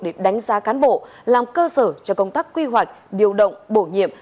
để đánh giá cán bộ làm cơ sở cho công tác quy hoạch điều động bổ nhiệm